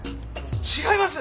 違います